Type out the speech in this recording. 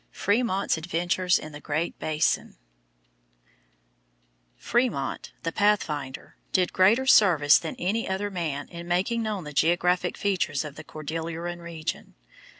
FRÉMONT'S ADVENTURES IN THE GREAT BASIN Frémont, "the Pathfinder," did greater service than any other man in making known the geographic features of the Cordilleran region.